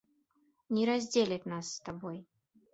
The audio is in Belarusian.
Не раздзеляць нас з табой!